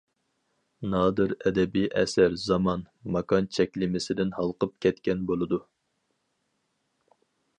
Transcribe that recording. نادىر ئەدەبىي ئەسەر زامان، ماكان چەكلىمىسىدىن ھالقىپ كەتكەن بولىدۇ.